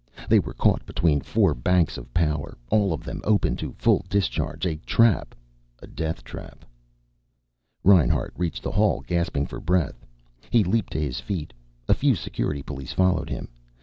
They were caught between four banks of power, all of them open to full discharge. A trap a death trap. Reinhart reached the hall gasping for breath. He leaped to his feet. A few Security police followed him.